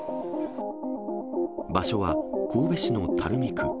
場所は神戸市の垂水区。